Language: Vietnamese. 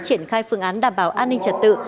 triển khai phương án đảm bảo an ninh trật tự